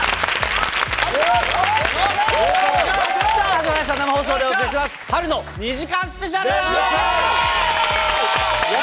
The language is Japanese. さあ、始まりました、生放送でお送りします、春の２時間スペシャル。